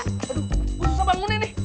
aduh gua susah bangun ini